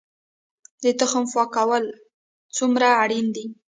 د تخم پاکول څومره اړین دي؟